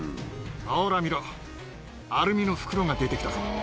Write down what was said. ほうら見ろ、アルミの袋が出てきたぞ。